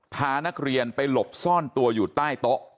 พานักเรียนไปหลบซ่อนตัวอยู่ใต้โต๊ะ